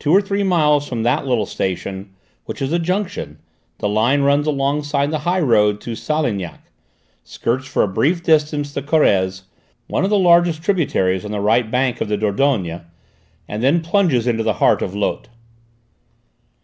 Two or three miles from that little station, which is a junction, the line runs alongside the highroad to Salignac, skirts for a brief distance the Corrèze, one of the largest tributaries on the right bank of the Dordogne, and then plunges into the heart of Lot.